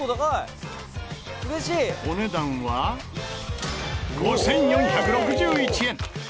お値段は５４６１円。